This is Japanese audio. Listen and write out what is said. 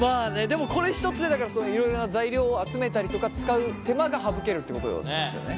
でもこれ１つでだからいろいろな材料を集めたりとか使う手間が省けるってことなんですよね？